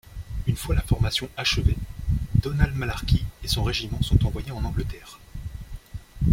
Une fois la formation achevée, Donald Malarkey et son régiment sont envoyés en Angleterre.